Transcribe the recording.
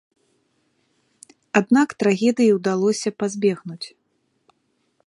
Аднак трагедыі ўдалося пазбегнуць.